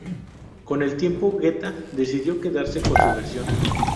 Con el tiempo Guetta decidió quedarse con su versión.